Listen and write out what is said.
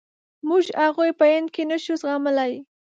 موږ هغوی په هند کې نشو زغملای.